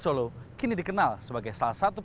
solo kini dikenal sebagai salah satu